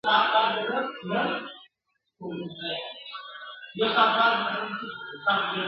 سرې لمبې په غېږ کي ګرځولای سي ..